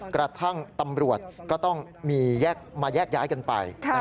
กระทั่งตำรวจก็ต้องมีมาแยกย้ายกันไป